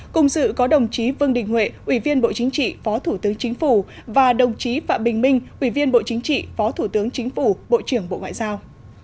cùng dự có đồng chí vương đình huệ ủy viên bộ chính trị phó thủ tướng chính phủ và đồng chí phạm bình minh ủy viên bộ chính trị phó thủ tướng chính phủ bộ trưởng bộ ngoại giao